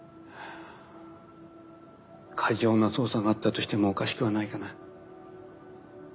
過剰な捜査があったとしてもおかしくはないかな。